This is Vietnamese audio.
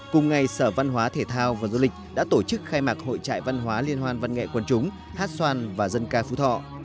cùng ngày sở văn hóa thể thao và du lịch đã tổ chức khai mạc hội trại văn hóa liên hoan văn nghệ quần chúng hát xoan và dân ca phú thọ